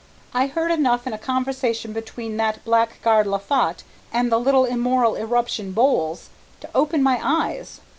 I heard enough in a conversation between that blackguard Loffat and the little immoral eruption, Bowles, to open my eyes.